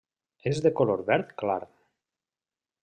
És de color verd clar.